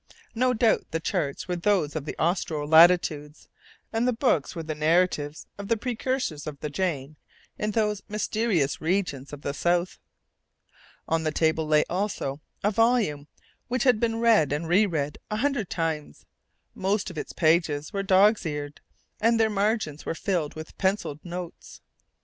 No doubt the charts were those of the austral latitudes, and the books were narratives of the precursors of the Jane in those mysterious regions of the south. On the table lay also a volume which had been read and re read a hundred times. Most of its pages were dogs' eared and their margins were filled with pencilled notes.